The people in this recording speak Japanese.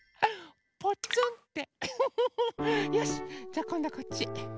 じゃあこんどはこっち。